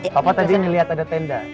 papa tadi liat ada tenda